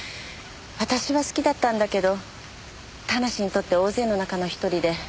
私は好きだったんだけど田無にとっては大勢の中の一人で。